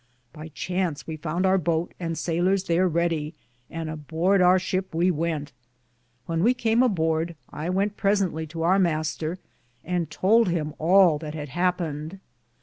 By chance we founde our bote and sayleres thare Reddie, and aborde our shipe we wente. When we came aborde, I wente presently to our Mr., and tould him all that had hapened.